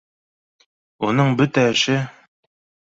Уның бөтә эше —